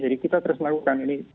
jadi kita terus melakukan ini